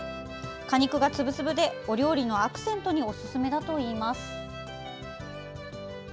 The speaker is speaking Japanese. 果肉が粒々でお料理のアクセントにおすすめだといいます。